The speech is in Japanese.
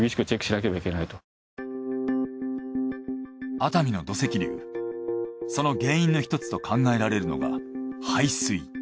熱海の土石流その原因の一つと考えられるのが排水。